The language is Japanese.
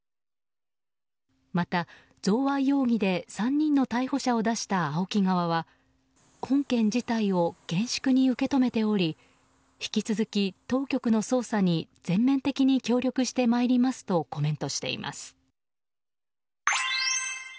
また、贈賄容疑で３人の逮捕者を出したＡＯＫＩ側は本件事態を厳粛に受け止めており引き続き当局の捜査に全面的に協力してまいりますとコメントしています。